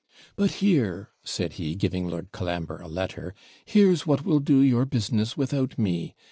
'But here,' said he, giving Lord Colambre a letter, 'here's what will do your business without me.